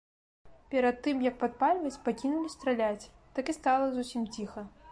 Перад тым як падпальваць, пакінулі страляць, так і стала зусім ціха.